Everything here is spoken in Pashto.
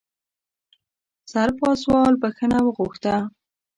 سرپازوال بښنه وغوښته.